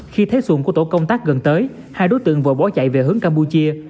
khi thấy xuống của tổ công tác gần tới hai đối tượng vội bó chạy về hướng campuchia